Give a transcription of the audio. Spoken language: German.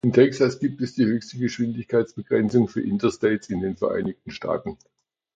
In Texas gibt es die höchste Geschwindigkeitsbegrenzung für Interstates in den Vereinigten Staaten.